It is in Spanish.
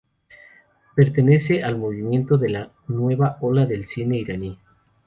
Pertenece al movimiento de la Nueva Ola del cine iraní.